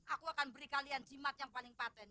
aku akan beri kalian jimat yang paling patent